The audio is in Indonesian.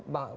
pak pak pak